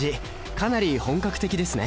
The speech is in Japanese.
かなり本格的ですね